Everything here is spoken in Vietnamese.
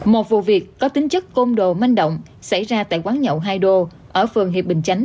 một vụ việc có tính chất côn đồ manh động xảy ra tại quán nhậu hai đô ở phường hiệp bình chánh